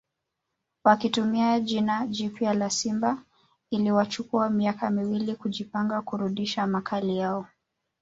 Wakitumia jina jipya la Simba iliwachukua miaka miwili kujipanga kurudisha makali yao